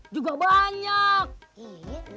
itu kan anjing yang tadi ngejar kita